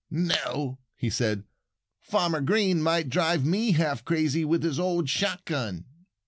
"No!" he said. "Farmer Green might drive me half crazy with his old shotgun."